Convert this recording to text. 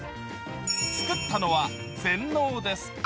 作ったのは全農です。